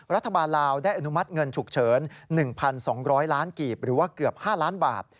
ลาวได้อนุมัติเงินฉุกเฉิน๑๒๐๐ล้านกีบหรือว่าเกือบ๕ล้านบาท